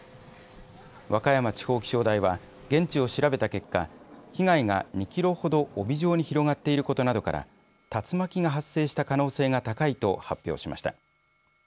和歌山地方気象台は現地を調べた結果、被害が２キロほど帯状に広がっていることなどから竜巻が発生した可能性が高いと発表しました。